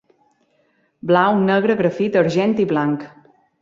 Blau, negre, grafit, argent i blanc.